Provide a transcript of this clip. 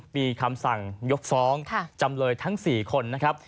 มีคำสั่งยกฟ้องจำเลยทั้งำบางที๔คน